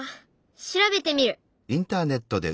調べてみる。